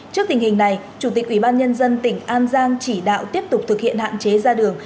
trước tình hình này chủ tịch ủy ban nhân dân tỉnh an giang chỉ đạo tiếp tục thực hiện hạn chế ra đường